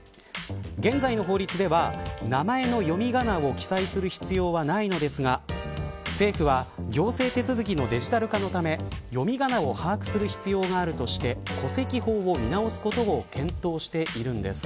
現在の法律では名前の読み仮名を記載する必要はないのですが政府は行政手続きのデジタル化のため、読み仮名を把握する必要があるとして戸籍法を見直すことを検討しているんです。